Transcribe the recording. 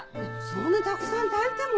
そんなたくさん炊いても。